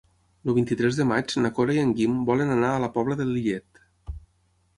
El vint-i-tres de maig na Cora i en Guim volen anar a la Pobla de Lillet.